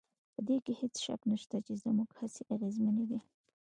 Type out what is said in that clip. په دې کې هېڅ شک نشته چې زموږ هڅې اغېزمنې وې